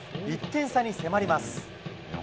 １点差に迫ります。